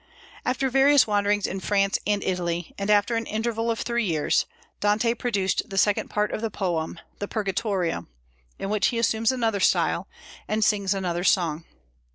After various wanderings in France and Italy, and after an interval of three years, Dante produced the second part of the poem, the Purgatorio, in which he assumes another style, and sings another song.